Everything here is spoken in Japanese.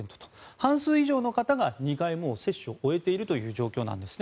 半数以上の方が２回、もう接種を終えているという状況なんですね。